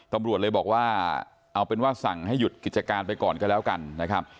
ตำรวจเลยบอกว่าเอาเป็นว่าสั่งให้หยุดกิจการไปก่อนก็แล้วกันนะครับ